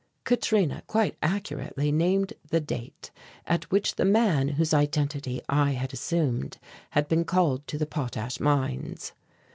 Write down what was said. Katrina quite accurately named the date at which the man whose identity I had assumed had been called to the potash mines.